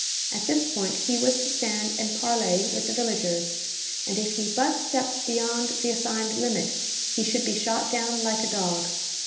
At this point he was to stand and parley with the villagers, and if he but stepped beyond the assigned limit, he should be shot down like a dog.